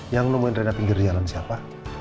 yang menemukan rena di pinggir jalan siapa